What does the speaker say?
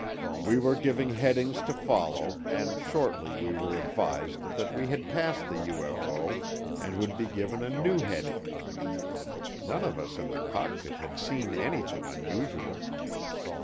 We were given headings to follow and shortly we were advised that we had passed the UFO and would be given a new heading. None of us in the cockpit had seen anything unusual.